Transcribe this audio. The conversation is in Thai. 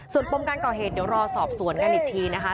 ส่วนปมการก่อเหตุเดี๋ยวรอสอบสวนกันอีกทีนะคะ